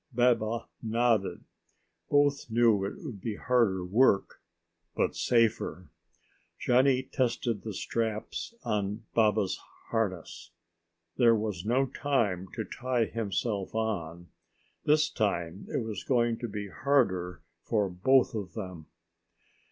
Baba nodded. Both knew it would be harder work, but safer. Johnny tested the straps on Baba's harness. There was no time to tie himself on. This time it was going to be harder for both of them.